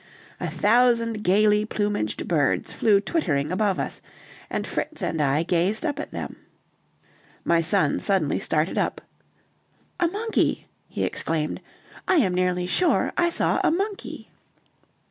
A thousand gayly plumaged birds flew twittering above us, and Fritz and I gazed up at them. My son suddenly started up. "A monkey," he exclaimed; "I am nearly sure I saw a monkey."